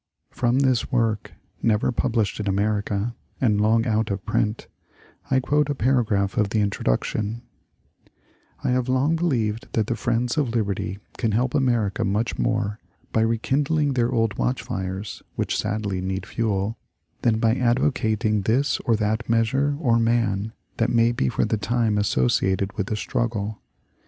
From this work, never published in America, and long out of print, I quote a paragraph of the Introduction :— I have long believed that the friends of liberty can help America much more by rekindling their old watchfires, which sadly need fuel, than by advocating this or that measure or man that may be for the time associated with the struggle.